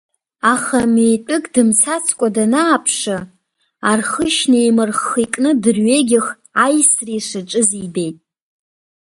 Аха митәык дымцацкәа данааԥшы, архышьна еимырхха икны дырҩегьых аисра ишаҿыз ибеит.